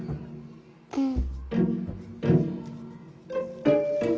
うん。